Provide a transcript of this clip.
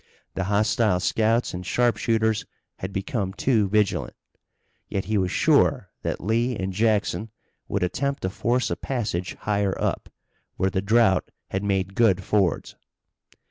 The hostile scouts and sharpshooters had become too vigilant. Yet he was sure that Lee and Jackson would attempt to force a passage higher up, where the drought had made good fords.